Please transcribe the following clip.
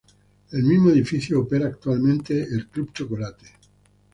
El mismo edificio opera actualmente el Club Chocolate.